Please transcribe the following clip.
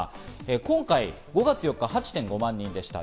今回５月４日、８．５万人でした。